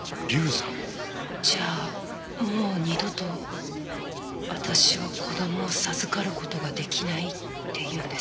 じゃあもう二度と私は子供を授かる事が出来ないっていうんですか？